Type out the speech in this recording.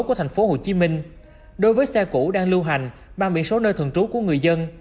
của tp hcm đối với xe cũ đang lưu hành mang biển số nơi thường trú của người dân